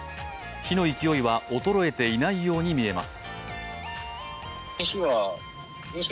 火の勢いは衰えていないようにみえます。